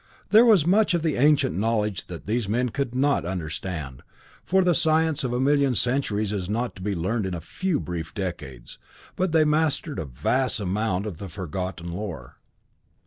There was much of the ancient knowledge that these men could not understand, for the science of a million centuries is not to be learned in a few brief decades, but they mastered a vast amount of the forgotten lore.